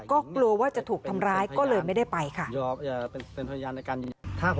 ก็กลัวว่าจะถูกทำร้ายก็เลยไม่ได้ไปค่ะ